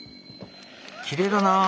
きれいだなあ。